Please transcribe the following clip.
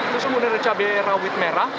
terus kemudian ada cabai rawit merah